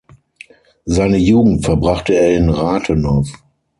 Seine Jugend verbrachte er in Rathenow.